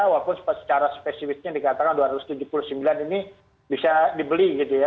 walaupun secara spesifiknya dikatakan dua ratus tujuh puluh sembilan ini bisa dibeli gitu ya